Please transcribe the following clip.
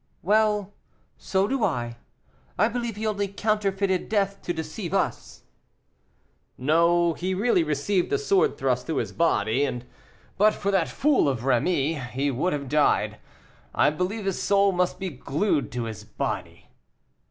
"Well, so do I; I believe he only counterfeited death to deceive us." "No, he really received a sword thrust through his body, and but for that fool of a Rémy, he would have died; I believe his soul must be glued to his body."